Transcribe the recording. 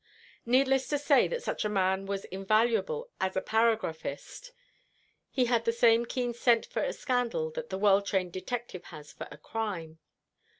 Needless to say that such a man was invaluable as a paragraphist. He had the same keen scent for a scandal that the well trained detective has for a crime.